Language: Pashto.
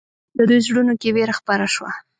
د دوی زړونو کې وېره خپره شوه.